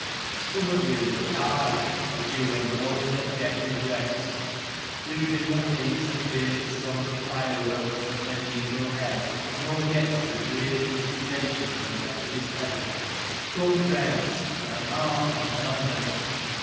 Some of you will die, but you know that death is rest. You do not need to fear the sombre fireworks of a mediaeval Hell, nor yet the dreary dis sipations of a Methodist Heaven. Come, friends, and march on London